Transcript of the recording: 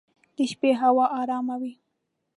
د شپې هوا ارامه وي.